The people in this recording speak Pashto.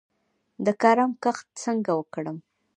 د کرم کښت څنګه وکړم؟